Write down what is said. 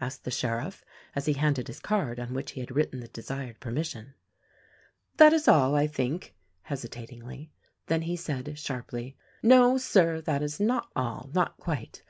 asked the sheriff as he handed his card on which he had written the desired permission. "That is all, I think," hesitatingly. Then he said, sharply, "No, Sir, that is not all— not quite.